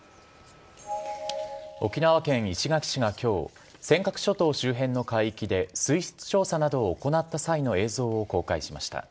沖縄県石垣市がきょう、尖閣諸島周辺の海域で水質調査などを行った際の映像を公開しました。